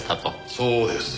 そうです。